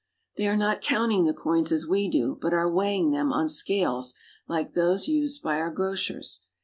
They are not counting the coins as we do, but are weighing them on scales like those used by our grocers.